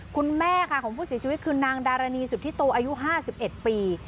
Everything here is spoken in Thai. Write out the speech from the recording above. คุณแม่ค่ะของผู้เสียชีวิตคือนางดารณีสุธิโตอายุ๕๑ปี